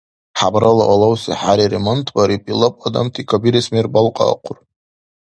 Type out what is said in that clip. ХӀябрала алавси хӀяри ремонтбариб, илаб адамти кабирес мер балкьаахъур.